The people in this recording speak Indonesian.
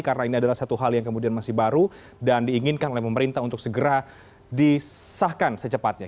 karena ini adalah satu hal yang kemudian masih baru dan diinginkan oleh pemerintah untuk segera disahkan secepatnya